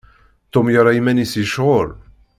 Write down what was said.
Tom yerra iman-is yecɣel.